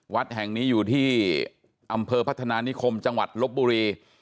วัดแห่งนี้อยู่ที่อำเภอพัฒนานิคมจังหวัดลบบุรี